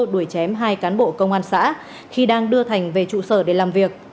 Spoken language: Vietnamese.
đuổi chém hai cán bộ công an xã khi đang đưa thành về trụ sở để làm việc